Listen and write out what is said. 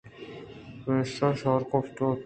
پمیشا شہار گپت ءُ وپت